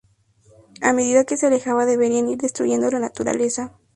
A medida que se alejaba deberían ir destruyendo la naturaleza.